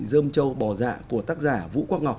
dơm trâu bò dạ của tác giả vũ quang ngọc